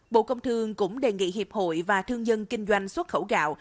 bộ công thương cũng đề nghị hiệp hội và thương dân kinh doanh xuất khẩu gạo